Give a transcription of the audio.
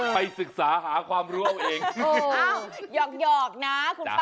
ไปศึกษาหาความรู้เอาเองโอ้หยอกหยอกนะคุณป้านะ